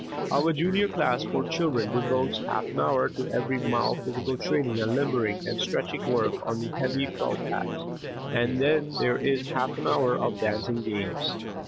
Our Junior class for children (ages four, five, six and seven) devotes half an hour to very mild physical training and limbering and stretching work on the heavy felt pads, and then there is half an hour of dancing games.